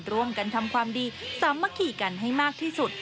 ร่วมกันทำความดีสามัคคีกันให้มากที่สุด